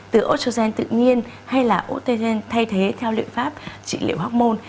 từ estrogen tự nhiên hay là estrogen thay thế theo liệu pháp trị liệu hormôn